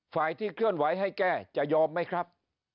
ฝ่ายที่เคลื่อนไหวให้แก้จะยอมไหมครับ